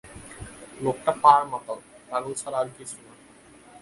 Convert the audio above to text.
লোকটা পাড় মাতাল, পাগল ছাড়া আর কিছু না!